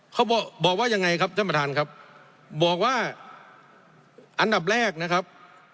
เขาบอกว่ายังไงครับท่านประธานครับบอกว่าอันดับแรกนะครับ